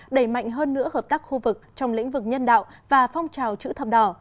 đẩy mạnh hơn nữa hợp tác khu vực trong lĩnh vực nhân đạo và phong trào chữ thập đỏ